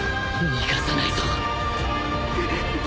逃がさないぞ！